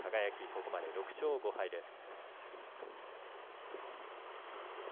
ここまで６勝５敗です。